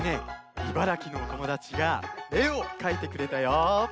茨城のおともだちがえをかいてくれたよ。